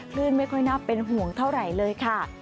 คลื่นไม่ค่อยน่าเป็นห่วงเท่าไหร่เลยค่ะ